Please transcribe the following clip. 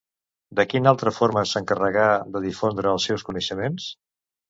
De quina altra forma s'encarregà de difondre els seus coneixements?